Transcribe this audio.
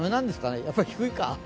やっぱり低いか。